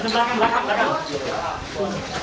jangan bergerak dulu